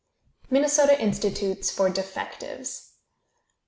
MINNESOTA INSTITUTES FOR DEFECTIVES.